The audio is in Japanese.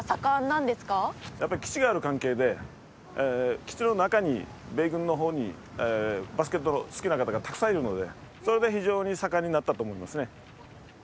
基地の中に米軍の方にバスケット好きな方がたくさんいるのでそれで非常に盛んになったと思いますね。